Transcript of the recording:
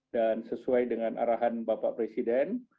dan sesuai dengan arahan bapak presiden